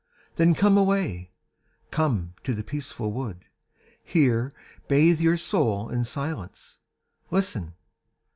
Then come away, come to the peaceful wood, Here bathe your soul in silence. Listen!